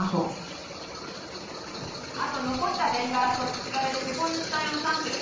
あと残ったベンガラと土壁で施工主さん用のサンプル！